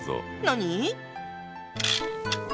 何？